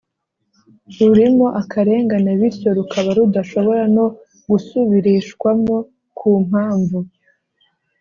rurimo akarengane bityo rukaba rudashobora no gusubirishwamo ku mpamvu